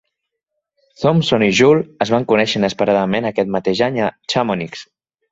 Thomson i Joule es van conèixer inesperadament aquest mateix any a Chamonix.